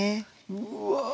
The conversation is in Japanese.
うわ！